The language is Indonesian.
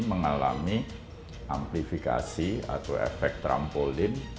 mengalami amplifikasi atau efek trampolin